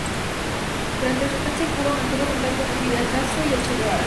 Durante su estancia en Cuba mantuvo contacto con Fidel Castro y el Che Guevara.